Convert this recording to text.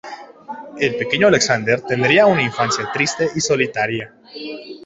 El pequeño Alexander tendría una infancia triste y solitaria.